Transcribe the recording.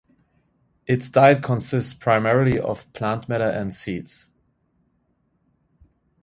Its diet consists primarily of plant matter and seeds.